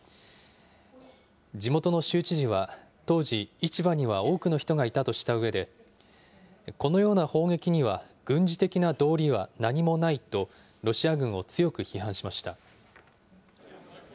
地元の州知事は、当時、市場には多くの人がいたとしたうえで、このような砲撃には軍事的な道理は何もないと、ロシア軍を強く批判しました。